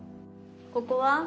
ここは？